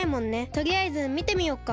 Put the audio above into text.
とりあえずみてみようか。